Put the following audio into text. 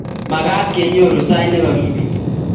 Magaat kenyoru sait negagipet